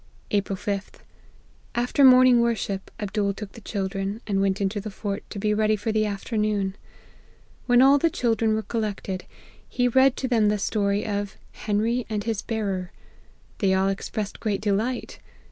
*' April 5th. After morning worship Abdool took the children, and went into the fort, to be ready for the afternoon. When all the children were collected, he read to them the story of ' Hen ry and his Bearer.' They all expressed great delight.